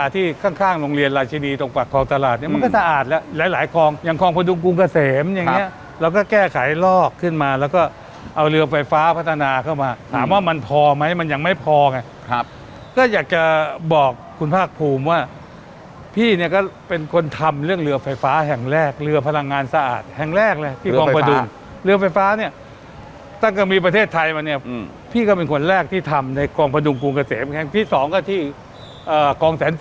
ที่ข้างโรงเรียนราชดีตรงปากคลองตลาดเนี่ยมันก็สะอาดแล้วหลายคลองอย่างคลองพระดุงกรุงเกษมเนี่ยเราก็แก้ไขลอกขึ้นมาแล้วก็เอาเรือไฟฟ้าพัฒนาเข้ามาถามว่ามันพอไหมมันยังไม่พอไงครับก็อยากจะบอกคุณภาคภูมิว่าพี่เนี่ยก็เป็นคนทำเรื่องเรือไฟฟ้าแห่งแรกเรือพลังงานสะอาดแห่งแรก